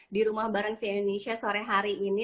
di rumah bareng si indonesia sore hari ini